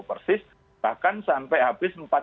persis bahkan sampai habis